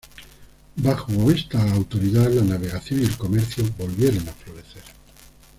Bajo esta autoridad la navegación y el comercio volvieron a florecer.